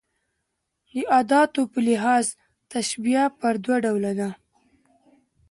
د اداتو په لحاظ تشبېه پر دوه ډوله ده.